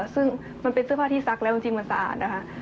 ซึ่งมันเป็นเสื้อผ้าที่ซักแล้วจริงมันสะอาดนะคะ